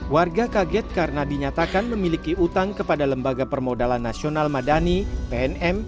warga kaget karena dinyatakan memiliki utang kepada lembaga permodalan nasional madani pnm